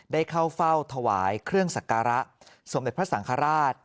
ได้เข้าเฝ้าถวายเครื่องสักการะสมเด็จพระสังฆราช